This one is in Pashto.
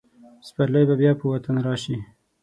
سپرلی به بیا په وطن راشي.